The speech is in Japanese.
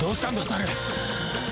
サル。